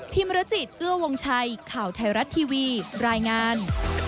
มรจิตเอื้อวงชัยข่าวไทยรัฐทีวีรายงาน